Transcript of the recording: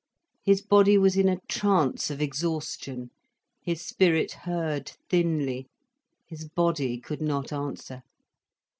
His body was in a trance of exhaustion, his spirit heard thinly. His body could not answer.